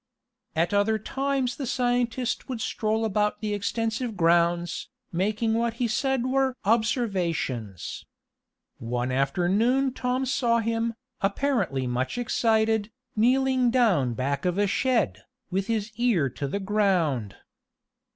At other times the scientist would stroll about the extensive grounds, making what he said were "observations." One afternoon Tom saw him, apparently much excited, kneeling down back of a shed, with his ear to the ground.